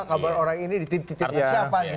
kabar orang ini dititip titip siapa